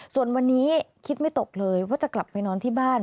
ส่วนวันนี้คิดไม่ตกเลยว่าจะกลับไปนอนที่บ้าน